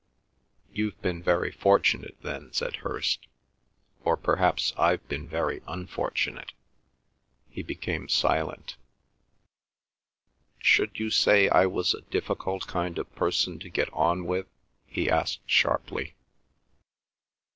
"You've been very fortunate, then," said Hirst. "Or perhaps I've been very unfortunate." He became silent. "Should you say I was a difficult kind of person to get on with?" he asked sharply.